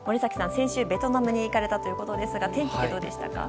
先週、ベトナムに行かれたということですが天気はどうでしたか？